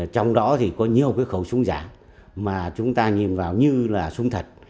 trong đó có nhiều khẩu súng giả mà chúng ta nhìn vào như là súng thật